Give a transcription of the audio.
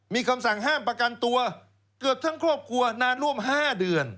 มีคำสั่งห้ามประกันตัวเกือบทั้งครอบครัวนานร่วม๕เดือน